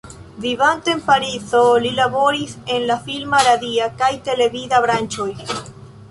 Vivante en Parizo li laboris en la filma, radia kaj televida branĉoj.